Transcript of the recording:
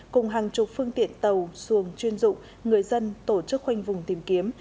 cùng hàng chục phương tiện tàu xuồng chuyên dụng người dân tổ chức khoanh vùng tìm kiếm